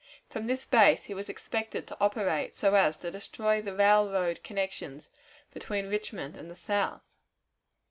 From this base he was expected to operate so as to destroy the railroad connections between Richmond and the South.